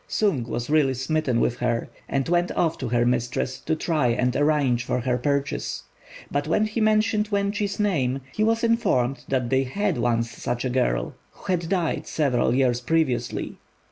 Sung was really smitten with her, and went off to her mistress to try and arrange for her purchase; but when he mentioned Wên chi's name, he was informed that they had once had such a girl, who had died several years previously.